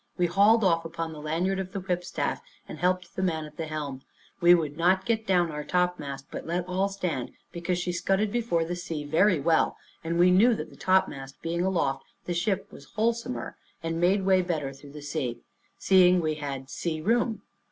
We hauled off upon the lanyard of the whip staff, and helped the man at the helm. We would not get down our topmast, but let all stand, because she scudded before the sea very well, and we knew that the topmast being aloft, the ship was the wholesomer, and made better way through the sea, seeing we had sea room.